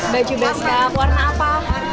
baju baskap warna apa